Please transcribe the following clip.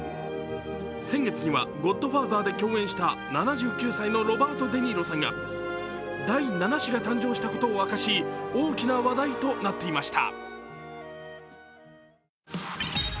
先月には「ゴッドファーザー」で共演した７９歳のロバート・デ・ニーロさんが第７子が誕生したことを明かし大きな話題となっていました。